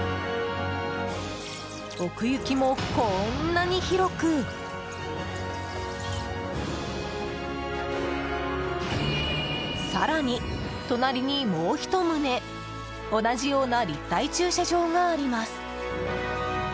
奥行きも、こんなに広く更に隣に、もう１棟同じような立体駐車場があります。